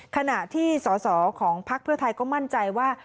ขณะที่สอสอของพักเพื่อไทยก็มั่นใจว่า